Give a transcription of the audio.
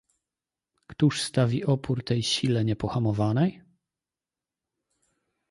"Któż stawi opór tej sile niepohamowanej?"